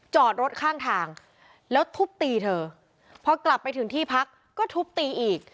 จอดรถข้างทางแล้วทุบตีเธอพอกลับไปถึงที่พักก็ทุบตีอีก